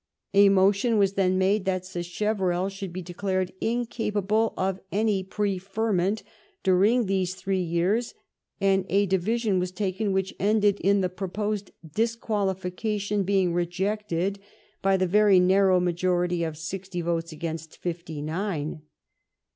A motion was then made that Sacheverell should be declared incapable of any preferment during those three years, and a division was taken which ended in the proposed disqualifica tion being rejected by the very narrow majority of sixty votes against fifty nine.